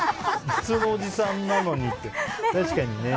普通のおじさんなのにって確かにね。